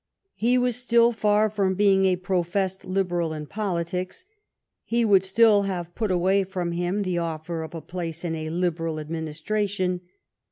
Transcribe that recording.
He was still far from being a professed Liberal in politics. He would still have put away from him the offer of a place in a Liberal administration.